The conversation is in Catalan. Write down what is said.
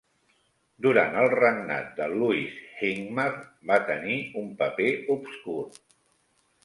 Durant el regnat de Louis, Hincmar va tenir un paper obscur.